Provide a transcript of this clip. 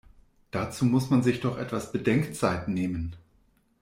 Dazu muss man sich doch etwas Bedenkzeit nehmen!